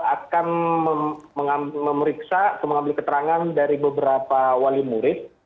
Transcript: akan memeriksa atau mengambil keterangan dari beberapa wali murid